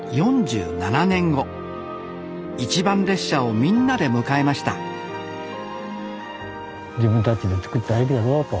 一番列車をみんなで迎えました自分たちで作った駅だぞと。